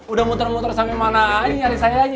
udah muter muter sampe mana aja nyaris sayanya